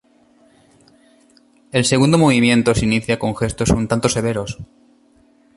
El segundo movimiento se inicia con gestos un tanto severos.